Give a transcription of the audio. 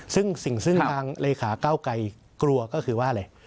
ซึ่งสิ่งซึ่งทางเลขาเก้าไกรกลัวก็คือว่าอะไร